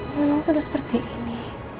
memang sudah seperti ini